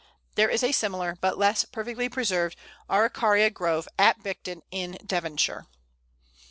There is a similar, but less perfectly preserved, Araucaria grove at Bicton in Devonshire.